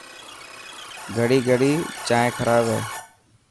گڙي گڙي جائين خراب هي.